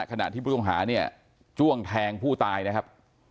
ขณะที่ผู้ต้องหาเนี่ยจ้วงแทงผู้ตายนะครับ